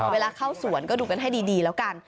เวลาเข้าสวนก็ดูกันให้ดีแล้วกัน